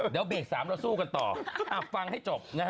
เดี๋ยวเบรก๓เราสู้กันต่อฟังให้จบนะฮะ